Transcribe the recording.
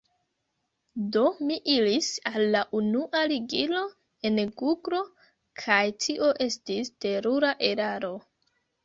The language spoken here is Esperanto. Do, mi iris al la unua ligilo en guglo kaj tio estis terura eraro.